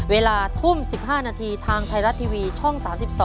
เวลาทุ่ม๑๕นาทีทางไทยรัฐทีวีช่อง๓๒